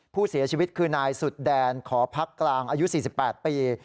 ผู้เสียชีวิตคือนายสุดแดนขอพักกลางอายุ๔๘ปี